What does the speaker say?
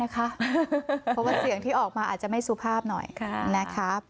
เพราะว่าเสียงที่ออกมาอาจจะไม่สุภาพหน่อยนะคะ